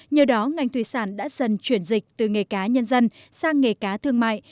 nhờ đó ngành thủy sản đã dần chuyển dịch từ nghề cá nhân dân sang nghề cá thương mại